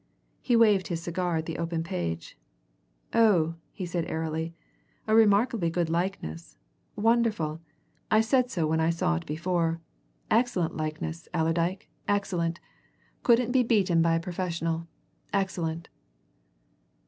He waved his cigar at the open page. "Oh!" he said airily. "A remarkably good likeness wonderful! I said so when I saw it before excellent likeness, Allerdyke, excellent! Couldn't be beaten by a professional. Excellent!"